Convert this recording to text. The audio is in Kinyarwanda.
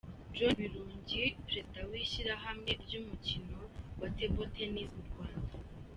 John Birungi perezida w'ishyirahamwe ry'umukino wa Table Tennis mu Rwanda .